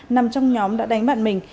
nằm trong nhóm đã đánh bạn mình